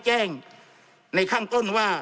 จำนวนเนื้อที่ดินทั้งหมด๑๒๒๐๐๐ไร่